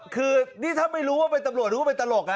คือนี่ถ้าไม่รู้ว่าเป็นตำรวจหรือว่าเป็นตลกนะ